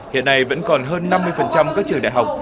hiện nay vẫn còn hơn năm mươi các trường đại học